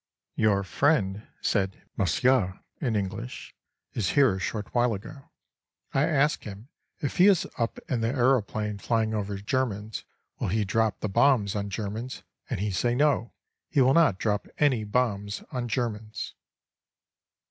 "Your friend," said Monsieur in English, "is here a short while ago. I ask him if he is up in the aeroplane flying over Germans will he drop the bombs on Germans and he say no, he will not drop any bombs on Germans."